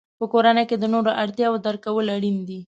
په کورنۍ کې د نورو اړتیاوو درک کول اړین دي.